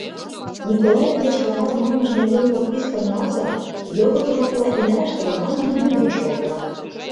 «Николаев деч кагаз налмыж нерген подпискым налза, його тиякла ида ыштыл» манын, мӧҥгеш колта.